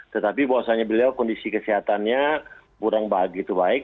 tetapi bahwasannya beliau kondisi kesehatannya kurang begitu baik